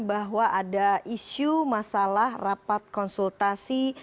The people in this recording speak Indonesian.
bahwa ada isu masalah rapat konsultasi